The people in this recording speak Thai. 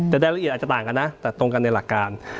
แต่รายละเอียดอาจจะต่างกันนะแต่ตรงกันในหลักการ